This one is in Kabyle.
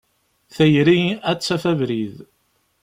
Tayri ad d-taf abrid.